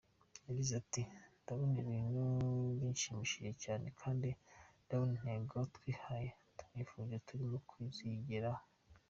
Yagize ati: “Ndabona ibintu bishimishije cyane kandi ndabona intego twihaye twanifuje turimo tuyigeraho.